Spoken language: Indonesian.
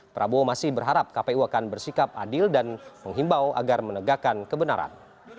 prabowo masih berharap kpu akan bersikap adil dan menghimbau agar menegakkan kebenaran